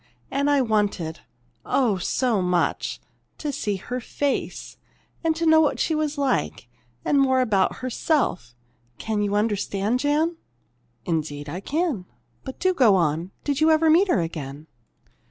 And I wanted oh, so much! to see her face, and know what she was like, and more about herself. Can you understand, Jan?" "Indeed, I can. But do go on. Did you ever meet her again?"